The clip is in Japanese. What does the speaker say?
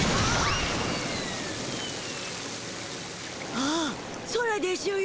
ああ空でしゅよ。